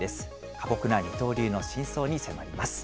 過酷な二刀流の真相に迫ります。